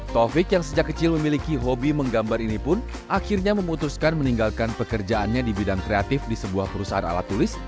taufik yang sejak kecil memiliki hobi menggambar ini pun akhirnya memutuskan meninggalkan pekerjaannya di bidang kreatif di sebuah perusahaan alat tulis